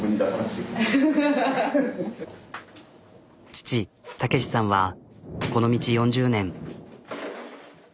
父健さんはこの道４０年。